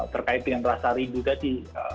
terkait dengan rasa rindu tadi